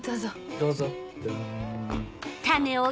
どうぞ。